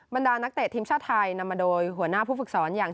ดานักเตะทีมชาติไทยนำมาโดยหัวหน้าผู้ฝึกสอนอย่าง